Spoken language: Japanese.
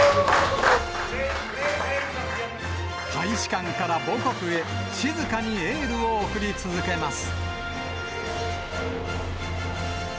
大使館から母国へ、静かにエールを送り続けます。